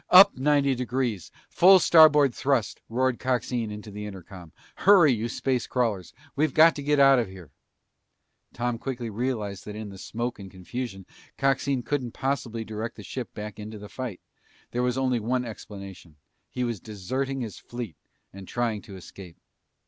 "Up ninety degrees! Full starboard thrust!" roared Coxine into the intercom. "Hurry, you space crawlers! We've got to get out of here!" Tom quickly realized that in the smoke and confusion Coxine couldn't possibly direct the ship back into the fight. There was only one explanation. He was deserting his fleet and trying to escape.